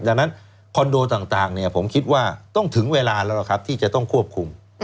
ดังนั้นคอนโดต่างผมคิดว่าต้องถึงเวลาแล้วล่ะครับที่จะต้องควบคุม